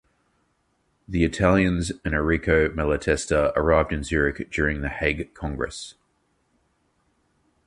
The Italians and Errico Malatesta arrived in Zurich during the Hague Congress.